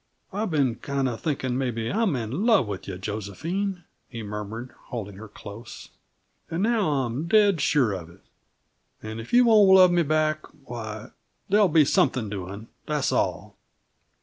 "I've been kinda thinking maybe I'm in love with you, Josephine," he murmured, holding her close. "And now I'm dead sure of it. And if you won't love me back why there'll be something doing, that's all!"